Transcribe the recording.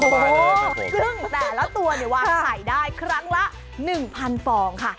ซึ่งแต่ละตัววางขายได้ครั้งละ๑๐๐๐ฟองค่ะ